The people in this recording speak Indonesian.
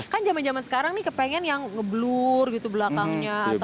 kan zaman zaman sekarang nih kepengen yang ngeblur gitu belakangnya